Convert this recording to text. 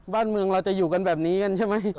บ้านเมืองเราจะอยู่กันแบบนี้กันใช่ไหม